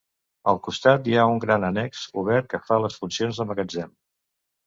Al costat hi ha un gran annex obert que fa les funcions de magatzem.